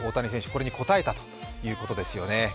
これに応えたということですよね。